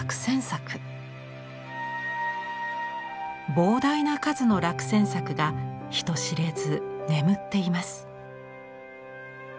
膨大な数の落選作が人知れず眠っています。